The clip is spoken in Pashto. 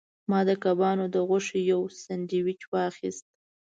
ما د کبانو د غوښې یو سانډویچ واخیست.